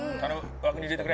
枠に入れてくれ。